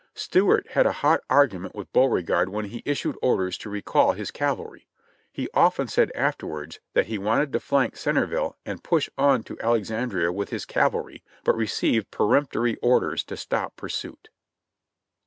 Stuart had a hot argument with Beauregard when he issued orders to recall his cavalry. He often said afterwards, that he wanted to flank Centerville and push on to Alexandria with his cavalry, but received peremptory orders to stop pursuit.